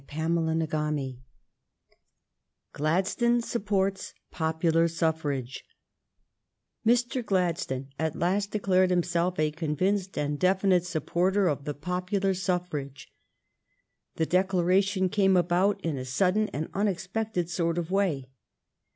CHAPTER XX GLADSTONE SUPPORTS POPULAR SUFFRAGE Mr. Gladstone at last declared himself a con vinced and definite supporter of the popular suf frage. The declaration came about in a sudden and unexpected sort of way.